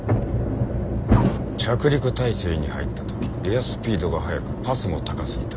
着陸態勢に入った時エアスピードが速くパスも高すぎた。